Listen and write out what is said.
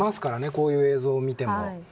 こういう映像を見ても。